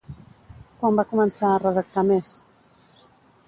Quan va començar a redactar més?